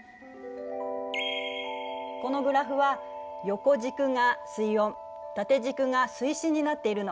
このグラフは横軸が水温縦軸が水深になっているの。